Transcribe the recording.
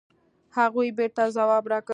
هغوی بېرته ځواب راکړ.